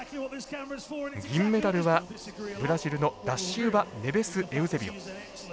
銀メダルはブラジルのダシウバネベスエウゼビオ。